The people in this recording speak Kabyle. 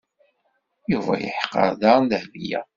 Yuba yeḥqer daɣen Dahbiya.